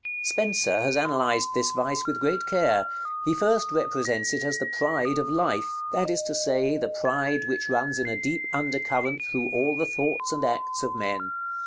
Spenser has analyzed this vice with great care. He first represents it as the Pride of life; that is to say, the pride which runs in a deep under current through all the thoughts and acts of men.